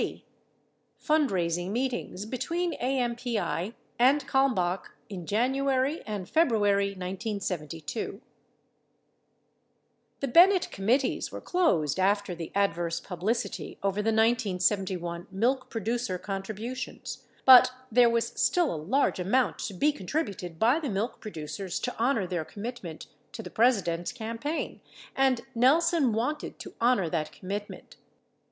C. Fundraising Meetings Betaveen AMPI and Kalmbach in January and February 1972 The Bennett committees Avere closed after the adverse publicity over the 1971 milk producer contributions, but there Avas still a large amount to be contributed by the milk producers to honor their com mitment to the President's campaign, and Nelson wanted to honor that commitment.